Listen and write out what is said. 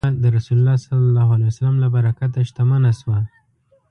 حلیمه د رسول الله ﷺ له برکته شتمنه شوه.